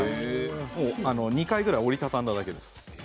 ２回くらい、折り畳んだだけです。